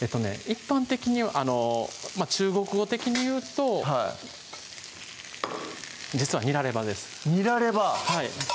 一般的に中国語的にいうと実はにらレバですにらレバ！